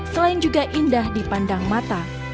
selain juga indah di pandang mata